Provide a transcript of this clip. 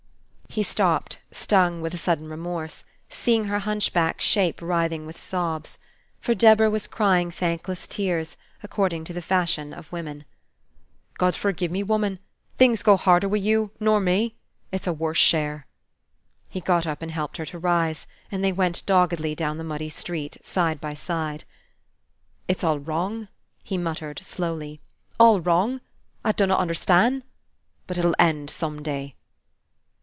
He stopped, stung with a sudden remorse, seeing her hunchback shape writhing with sobs. For Deborah was crying thankless tears, according to the fashion of women. "God forgi' me, woman! Things go harder Wi' you nor me. It's a worse share." He got up and helped her to rise; and they went doggedly down the muddy street, side by side. "It's all wrong," he muttered, slowly, "all wrong! I dunnot understan'. But it'll end some day."